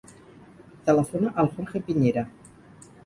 Telefona al Jorge Piñera.